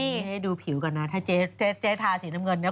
นี่ให้ดูผิวก่อนนะถ้าเจ๊ทาสีน้ำเงินเนี่ย